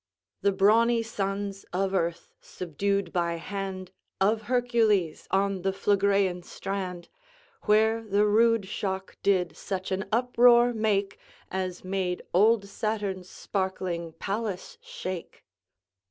"The brawny sons of earth, subdu'd by hand Of Hercules on the Phlegræan strand, Where the rude shock did such an uproar make, As made old Saturn's sparkling palace shake."